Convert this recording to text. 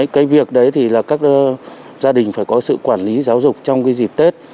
cái việc đấy thì là các gia đình phải có sự quản lý giáo dục trong cái dịp tết